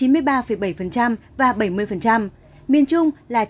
miền trung là chín mươi ba bảy và bảy mươi và miền trung là chín mươi ba bảy